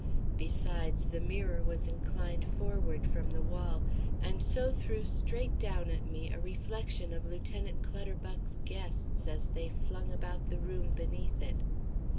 Besides, the mirror was inclined forward from the wall, and so threw straight down at me a reflection of Lieutenant Clutterbuck's guests, as they flung about the room beneath it.